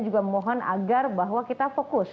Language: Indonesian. juga memohon agar bahwa kita fokus